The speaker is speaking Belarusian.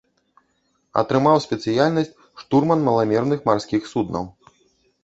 Атрымаў спецыяльнасць штурман маламерных марскіх суднаў.